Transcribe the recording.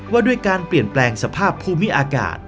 ว่าด้วยการเปลี่ยนแปลงสภาพภูมิอากาศ